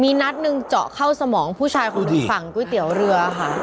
มีนัดหนึ่งเจาะเข้าสมองผู้ชายคนหนึ่งฝั่งก๋วยเตี๋ยวเรือค่ะ